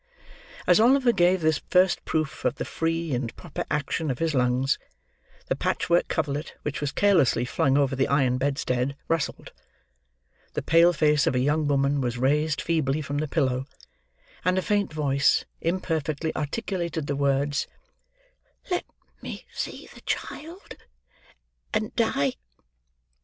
As Oliver gave this first proof of the free and proper action of his lungs, the patchwork coverlet which was carelessly flung over the iron bedstead, rustled; the pale face of a young woman was raised feebly from the pillow; and a faint voice imperfectly articulated the words, "Let me see the child, and die."